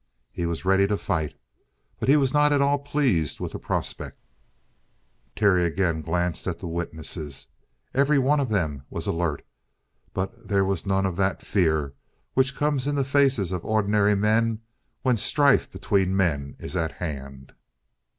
He was ready to fight. But he was not at all pleased with the prospect. Terry again glanced at the witnesses. Every one of them was alert, but there was none of that fear which comes in the faces of ordinary men when strife between men is at hand.